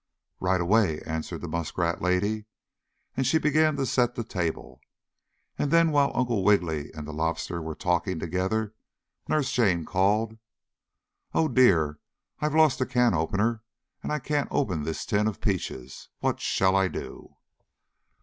"Right away!" answered the muskrat lady. And she began to set the table. And then, while Uncle Wiggily and the Lobster were talking together Nurse Jane called: "Oh, dear! I've lost the can opener, and I can't open this tin of peaches. What shall I do?"